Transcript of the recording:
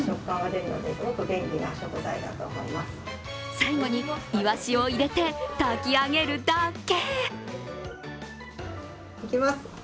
最後にいわしを入れて炊き上げるだけ。